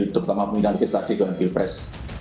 terutama pemilu yang tadi di gilpres